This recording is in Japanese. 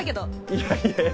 いやいや。